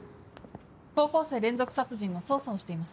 高校生連続殺人の捜査をしています。